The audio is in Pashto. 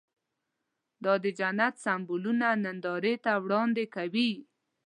دا د جنت سمبولونه نندارې ته وړاندې کوي.